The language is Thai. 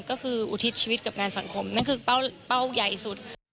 ก็คืออุทิศชีวิตกับงานสังคมนั่นคือเป้าใหญ่สุด